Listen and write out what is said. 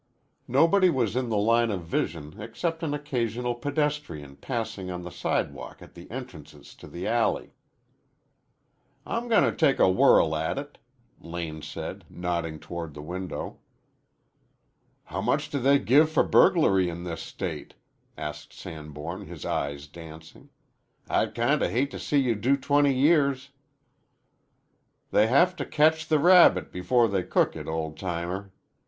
Nobody was in the line of vision except an occasional pedestrian passing on the sidewalk at the entrances to the alley. "I'm gonna take a whirl at it," Lane said, nodding toward the window. "How much do they give for burglary in this state?" asked Sanborn, his eyes dancing. "I'd kinda hate to see you do twenty years." "They have to catch the rabbit before they cook it, old timer.